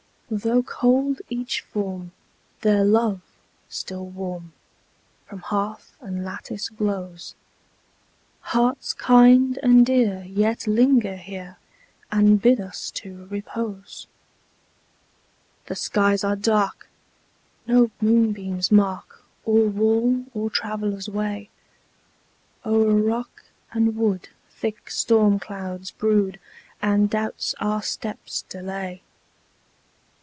Though cold each form, their love, still warm, From hearth and lattice glows: Hearts kind and dear yet linger here, And bid us to repose. The skies are dark! No moonbeams mark Or wall, or traveller's way: O'er rock and wood thick storm clouds brood, And doubts our steps delay.